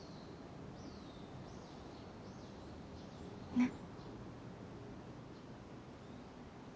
ねっ？